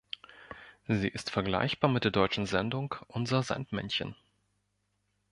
Sie ist vergleichbar mit der deutschen Sendung "Unser Sandmännchen.